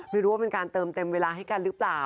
ไม่รู้ว่าเป็นการเติมเต็มเวลาให้กันหรือเปล่า